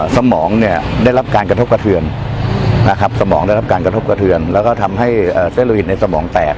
สมองได้รับการกระทบกระเทือนและทำให้เซลลวินในสมองแตก